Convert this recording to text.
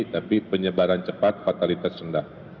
tapi penyebaran cepat fatalitas rendah